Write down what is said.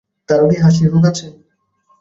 তারও কি হাসির রোগ আছে?